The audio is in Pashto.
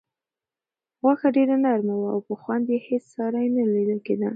غوښه ډېره نرمه وه او په خوند کې یې هیڅ ساری نه لیدل کېده.